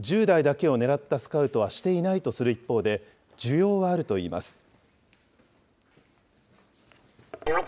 １０代だけを狙ったスカウトはしていないとする一方で、需要はあるといいます。